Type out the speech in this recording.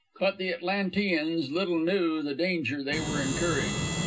But the Atlanteans little knew the danger they were incurring.